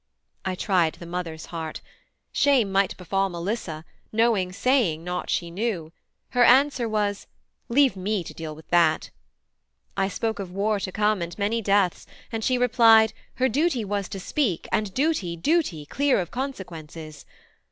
I tried the mother's heart. Shame might befall Melissa, knowing, saying not she knew: Her answer was "Leave me to deal with that." I spoke of war to come and many deaths, And she replied, her duty was to speak, And duty duty, clear of consequences.